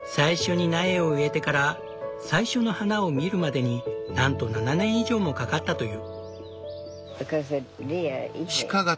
最初に苗を植えてから最初の花を見るまでになんと７年以上もかかったという。